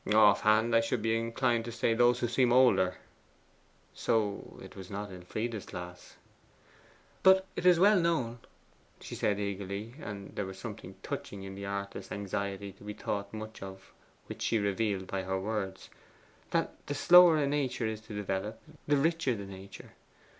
'Off hand I should be inclined to say those who seem older.' So it was not Elfride's class. 'But it is well known,' she said eagerly, and there was something touching in the artless anxiety to be thought much of which she revealed by her words, 'that the slower a nature is to develop, the richer the nature.